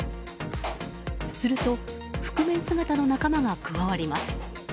すると、覆面姿の仲間が加わります。